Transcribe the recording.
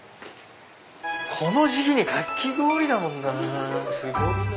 この時期にかき氷だもんなすごいな。